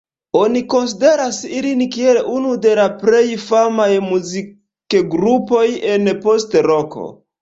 Oni konsideras ilin kiel unu de la plej famaj muzikgrupoj en post-roko.